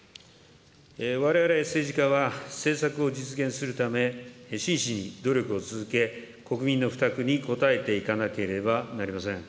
われわれ政治家は、政策を実現するため、真摯に努力を続け、国民の負託に応えていかなければなりません。